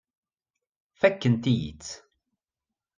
Fakkent-iyi-tt.